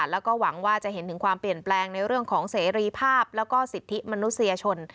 แล้วก็หวังว่าจะเห็นถึงความเปลี่ยนแปลงในเรื่องของเสรีภาพแล้วก็สิทธิมนุษยชน